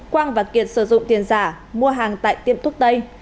quang và kiệt sử dụng tiền giả mua hàng tại tiệm thuốc tây